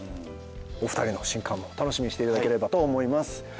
お二人の新刊も楽しみにしていただければと思います。